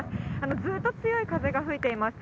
ずっと強い風が吹いています。